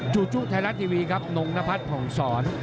จู่ไทยรัฐทีวีครับนงนพัฒน์ผ่องสอน